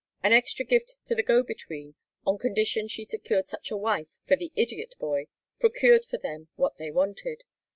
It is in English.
An extra gift to the Go between on condition she secured such a wife for the idiot boy procured for them what they wanted.